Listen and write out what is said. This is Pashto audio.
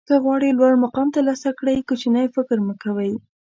که غواړئ لوړ مقام ترلاسه کړئ کوچنی فکر مه کوئ.